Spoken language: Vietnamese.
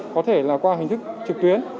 có thể là qua hình thức trực tuyến